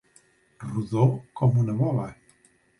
Rodó com una bola.